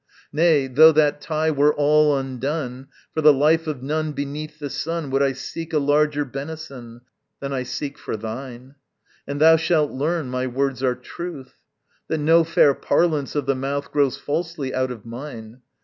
Nay, though that tie were all undone, For the life of none beneath the sun Would I seek a larger benison Than I seek for thine. And thou shalt learn my words are truth, That no fair parlance of the mouth Grows falsely out of mine.